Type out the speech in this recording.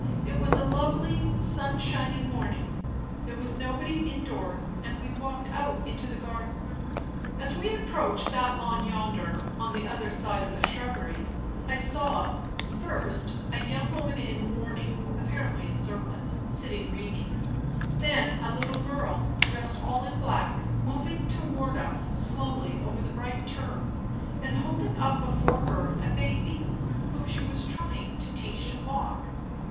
It was a lovely, sunshiny morning. There was nobody indoors, and we walked out into the garden. As we approached that lawn yonder, on the other side of the shrubbery, I saw, first, a young woman in mourning (apparently a servant) sitting reading; then a little girl, dressed all in black, moving toward us slowly over the bright turf, and holding up before her a baby, whom she was trying to teach to walk.